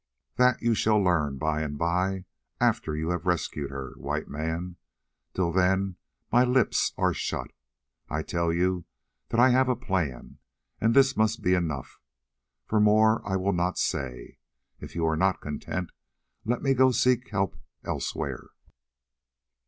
"That you shall learn by and by, after you have rescued her, White Man; till then my lips are shut. I tell you that I have a plan, and this must be enough, for more I will not say. If you are not content, let me go to seek help elsewhere."